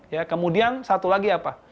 ya kemudian satu lagi apa